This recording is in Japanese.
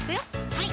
はい